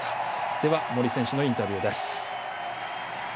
では、森選手のインタビューです。